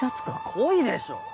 恋でしょ！